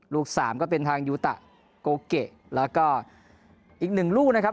สามก็เป็นทางยูตะโกเกะแล้วก็อีกหนึ่งลูกนะครับ